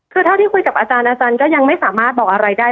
คือเท่าที่คุยกับอาจารย์อาจารย์ก็ยังไม่สามารถบอกอะไรได้